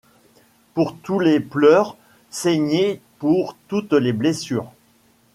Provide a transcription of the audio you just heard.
Pour tous les pleurs, saigné pour toutes les blessures.